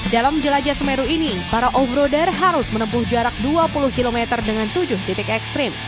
dalam jelajah semeru ini para off roader harus menempuh jarak dua puluh km dengan tujuh titik ekstrim